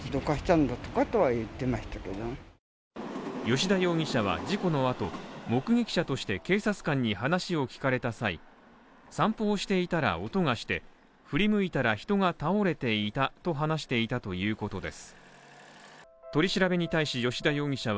吉田容疑者は事故の後、目撃者として警察官に話を聞かれた際散歩をしていたら音がして振り向いたら人が倒れていたと話していたということです。